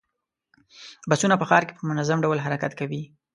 بسونه په ښار کې په منظم ډول حرکت کوي.